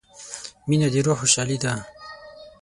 • مینه د روح خوشحالي ده.